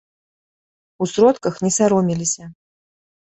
У сродках не саромеліся.